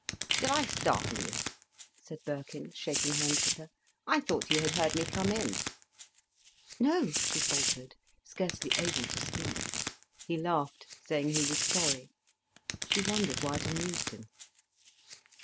"Did I startle you?" said Birkin, shaking hands with her. "I thought you had heard me come in." "No," she faltered, scarcely able to speak. He laughed, saying he was sorry. She wondered why it amused him.